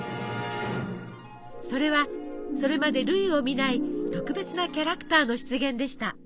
それはそれまで類を見ない特別なキャラクターの出現でした。